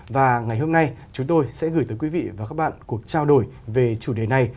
và ngày hôm nay chúng tôi sẽ gửi tới quý vị và các bạn cuộc trao đổi về chủ đề này